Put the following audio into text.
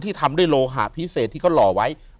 ทำด้วยโลหะพิเศษที่เขาหล่อไว้